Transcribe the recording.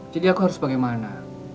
jadi aku harus bagaimana